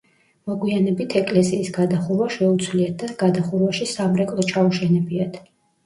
მოგვიანებით ეკლესიის გადახურვა შეუცვლიათ და გადახურვაში სამრეკლო ჩაუშენებიათ.